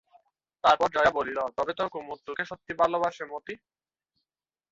তারপর জয়া বলিল, তবে তো কুমুদ তোকে সত্যিই ভালোবাসে মতি?